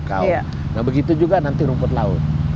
kayak bagian yang bener bener